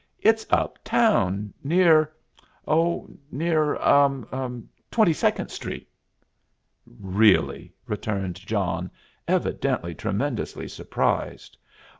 It's up town near oh, near Twenty Second Street." "Really?" returned John, evidently tremendously surprised.